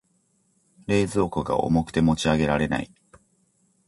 冷蔵庫が重くて持ち上げられない。